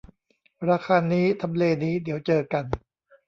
ราคานี้ ทำเลนี้ เดี๋ยวเจอกัน